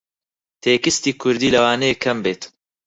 تێکستی کووردی لەوانەیە کەم بێت